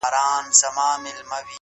چي پکي روح نُور سي _ چي پکي وژاړي ډېر _